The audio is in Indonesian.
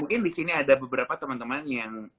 mungkin disini ada beberapa temen temen yang